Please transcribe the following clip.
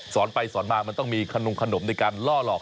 สอนไปสอนมามันต้องมีขนมขนมในการล่อหลอก